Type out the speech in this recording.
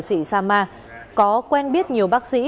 sị sama có quen biết nhiều bác sĩ